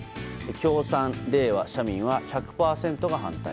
共産、れいわ、社民は１００％が反対。